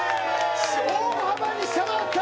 大幅に下回った！